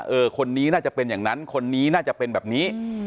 เออคนนี้น่าจะเป็นอย่างนั้นคนนี้น่าจะเป็นแบบนี้